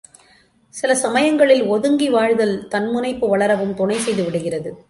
சில சமயங்களில் ஒதுங்கி வாழ்தல் தன் முனைப்பு வளரவும் துணை செய்து விடுகிறது.